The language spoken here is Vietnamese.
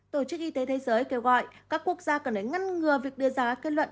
tổ chức y tế thế giới kêu gọi các quốc gia cần phải ngăn ngừa việc đưa ra kết luận